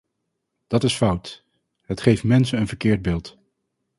Dat is fout, het geeft mensen een verkeerd beeld.